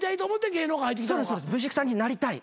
Ｖ６さんになりたい。